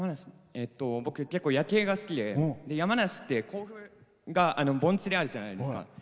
僕、結構、夜景が好きで山梨って甲府が盆地にあるじゃないですか。